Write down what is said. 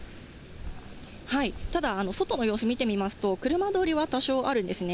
ただ、外の様子、見てみますと、車通りは多少あるんですね。